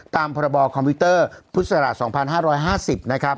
ตามพรบคอมพิวเตอร์พุทธศ๒๕๕๐นะครับ